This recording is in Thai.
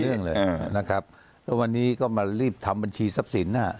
เรื่องเลยนะครับแล้ววันนี้ก็มารีบทำบัญชีทรัพย์สิน